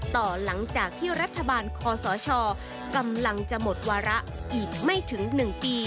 ต่อหลังจากที่รัฐบาลคอสชกำลังจะหมดวาระอีกไม่ถึง๑ปี